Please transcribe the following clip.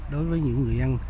đối với những người dân